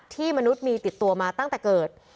มนุษย์มีติดตัวมาตั้งแต่เกิด